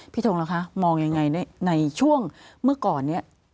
พี่ถงละคะมองอย่างไรในช่วงเมื่อก่อนเนี่ย